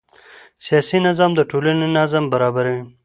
سیاسي نظام د ټولنې نظم برابروي